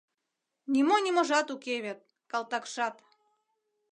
Нимо-ниможат уке вет, калтакшат...»